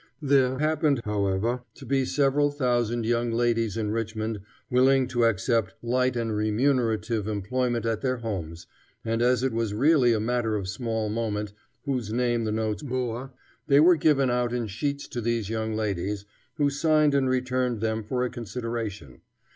There happened, however, to be several thousand young ladies in Richmond willing to accept light and remunerative employment at their homes, and as it was really a matter of small moment whose name the notes bore, they were given out in sheets to these young ladies, who signed and returned them for a consideration.